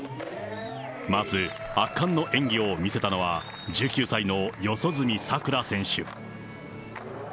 まず圧巻の演技を見せたのは、１９歳の四十住さくら選手。